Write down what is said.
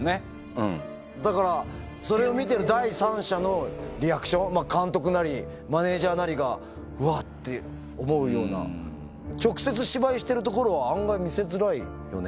だからそれを見てる第三者のリアクション、監督なりマネージャーなりが、わって思うような、直接芝居してるところは、案外見せづらいよね。